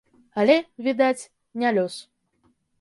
Але, відаць, не лёс.